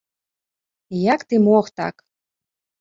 Як ты мог так.